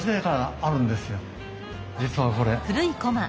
実はこれ。